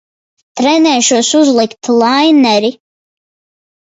Trenēšos uzlikt laineri.